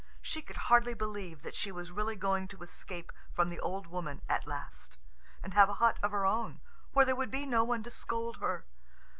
She could hardly believe that she was really going to escape from the old woman at last, and have a hut of her own, where there would be no one to scold her.